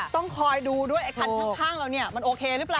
ต้องคอยดูด้วยไอ้คันข้างเราเนี่ยมันโอเคหรือเปล่า